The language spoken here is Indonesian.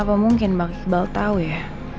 apa apa mungkin bang iqbal tau ya